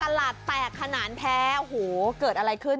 ตลาดแตกขนาดแท้โอ้โหเกิดอะไรขึ้น